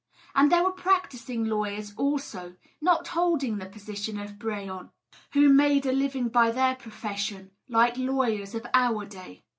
And there were practising lawyers also, not holding the position of brehon, who made a living by their profession, like lawyers of our day.